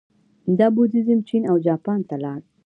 دا بودیزم چین او جاپان ته لاړ